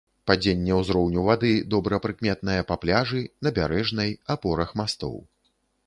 Падзенне ўзроўню вады добра прыкметнае па пляжы, набярэжнай, апорах мастоў.